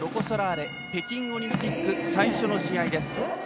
ソラーレ北京オリンピック最初の試合です。